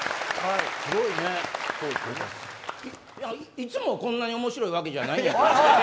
いつもこんなに面白いわけじゃないよ。